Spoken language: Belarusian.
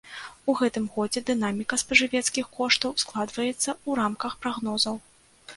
У гэтым годзе дынаміка спажывецкіх коштаў складваецца ў рамках прагнозаў.